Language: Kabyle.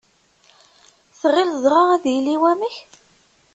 Tɣilleḍ dɣa ad yili wamek?